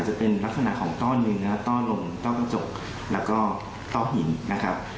จะเป็นลักษณะของต้อนเนื้อต้อลงต้อกระจกแล้วก็ต้อหินนะครับ